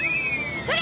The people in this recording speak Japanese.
それ！